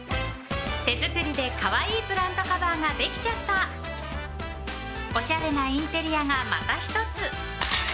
手作りでカワイイプラントカバーができちゃったおしゃれなインテリアがまた一つ